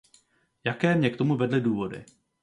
Jaké mě k tomu vedly důvody?